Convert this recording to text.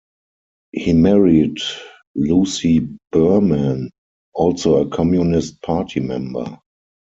He married Lucy Burman, also a Communist Party member.